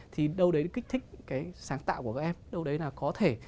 thì đâu đấy kích thích cái sáng tạo của các em đâu đấy là có thể